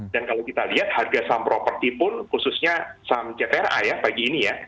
kalau kita lihat harga saham properti pun khususnya saham ctra ya pagi ini ya